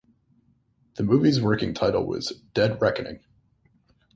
The movie's working title was "Dead Reckoning".